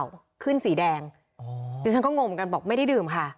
แล้วเจอด่านเป่าขึ้นสีแดงจึงฉันก็งงเหมือนกันบอกไม่ได้ดื่มค่ะ